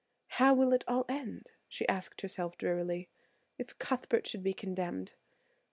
"How will it all end," she asked herself drearily, "if Cuthbert should be condemned?